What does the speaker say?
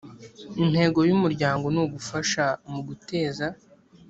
intego y umuryango ni ugufasha mu guteza